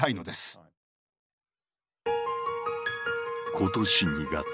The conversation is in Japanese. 今年２月。